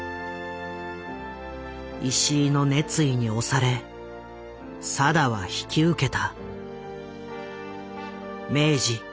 石井の熱意に押され定は引き受けた。